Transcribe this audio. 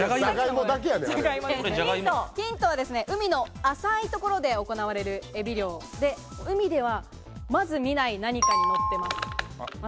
ヒントは海の浅い所で行われるエビ漁で海ではまず見ない何かにのってます。